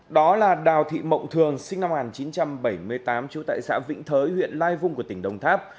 đó là đào thị mộng thường sinh năm một nghìn chín trăm bảy mươi tám trú tại xã vĩnh thới huyện lai vung của tỉnh đồng tháp